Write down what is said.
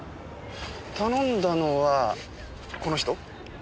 頼んだのはこの人？